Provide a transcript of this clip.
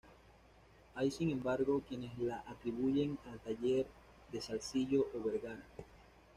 Hay sin embargo, quienes la atribuyen al taller de Salzillo o Vergara.